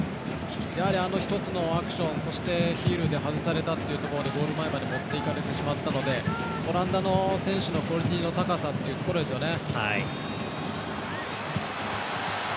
やはり一つのアクションそして、ヒールで外されたっていうところでゴール前までもっていかれてしまったのでオランダの選手のクオリティーの高さというところですよね。